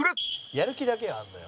やる気だけはあるのよ。